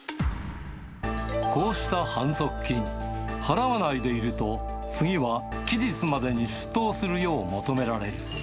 こうした反則金、払わないでいると、次は期日までに出頭するよう求められる。